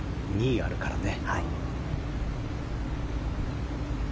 ２あるからね。